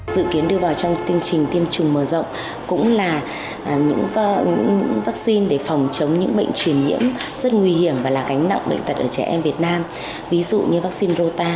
dự kiến đưa vào trong chương trình tiêm chủng mở rộng cũng là những vaccine để phòng chống những bệnh truyền nhiễm rất nguy hiểm và là gánh nặng bệnh tật ở trẻ em việt nam ví dụ như vaccine rota